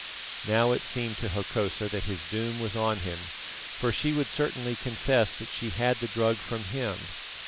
Now it seemed to Hokosa that his doom was on him, for she would certainly confess that she had the drug from him.